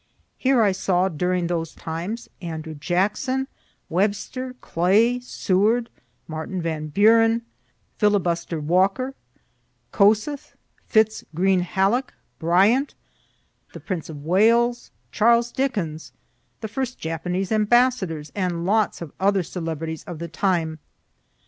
Here I saw, during those times, Andrew Jackson, Webster, Clay, Seward, Martin Van Buren, filibuster Walker, Kossuth, Fitz Greene Halleck, Bryant, the Prince of Wales, Charles Dickens, the first Japanese ambassadors, and lots of other celebrities of the time.